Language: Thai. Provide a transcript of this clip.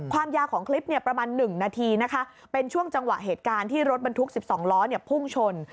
ความยาวของคลิปประมาณ๑นาทีนะคะเป็นช่วงจังหวะเหตุการณ์ที่รถบรรทุก๑๒ล้อพุ่งชน